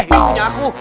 ini punya aku